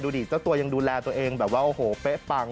ดิเจ้าตัวยังดูแลตัวเองแบบว่าโอ้โหเป๊ะปัง